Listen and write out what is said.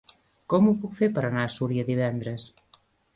Com ho puc fer per anar a Súria divendres?